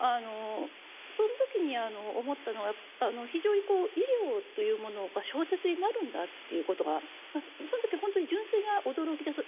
その時に思ったのは非常にこう医療というものが小説になるんだっていうことがその時本当に純粋な驚きです。